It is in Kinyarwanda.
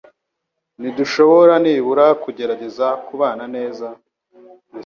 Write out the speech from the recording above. Ntidushobora nibura kugerageza kubana neza?